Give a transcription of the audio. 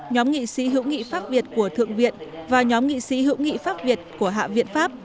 nhóm nghị sĩ hữu nghị pháp việt của thượng viện và nhóm nghị sĩ hữu nghị pháp việt của hạ viện pháp